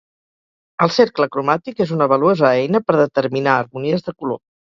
El cercle cromàtic és una valuosa eina per determinar harmonies de color.